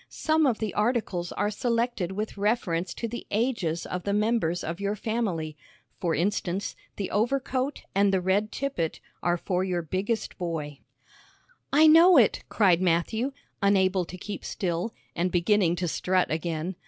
Some of the articles are selected with reference to the ages of the members of your family. For instance, the overcoat and the red tippet are for your biggest boy.'" "I know it," cried Matthew, unable to keep still, and beginning to strut again.